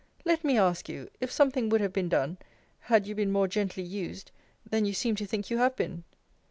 Let me ask you, If something would have been done, had you been more gently used, than you seem to think you have been?